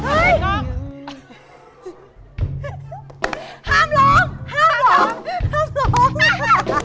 ห้ามล้อง